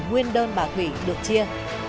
nguyên đơn bà thủy được chia